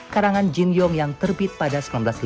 karangan jin yong yang terbit pada seribu sembilan ratus lima puluh